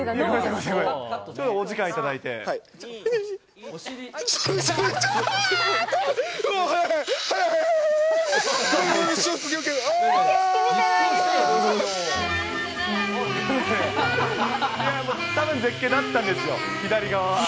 たぶん絶景だったんですよ、左側は。